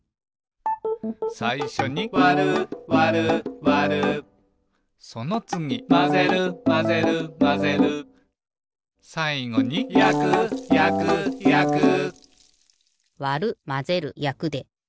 さいしょに「わるわるわる」そのつぎ「まぜるまぜるまぜる」さいごに「やくやくやく」わるまぜるやくで。